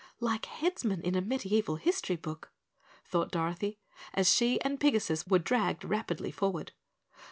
"Like headsmen in a medieval history book," thought Dorothy as she and Pigasus were dragged rapidly forward.